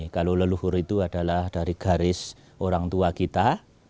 kalau leluhur itu adalah dari garis orang tua kita